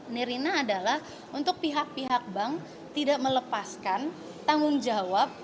nirina adalah untuk pihak pihak bank tidak melepaskan tanggung jawab